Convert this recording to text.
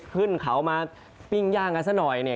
ขึ้นเขามาปลิ้งย่างน่ะสักหน่อย